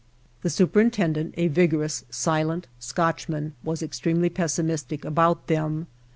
The superin tendent, a vigorous, silent Scotchman, was ex tremely pessimistic about them.